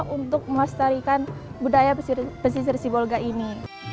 untuk melestarikan budaya pesisir sibolga ini